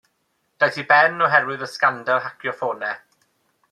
Daeth i ben oherwydd y sgandal hacio ffonau.